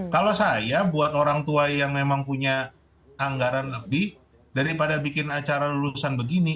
kalau saya buat orang tua yang memang punya anggaran lebih daripada bikin acara lulusan begini